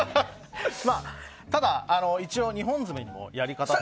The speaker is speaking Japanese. ただ、一応２本爪にもやり方があって。